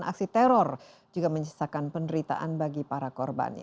aksi teror yang juga menyesatkan penderitaan bagi para korbannya